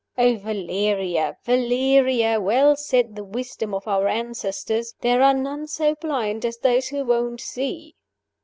Oh, Valeria! Valeria! Well said the wisdom of our ancestors there are none so blind as those who won't see."